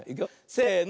せの！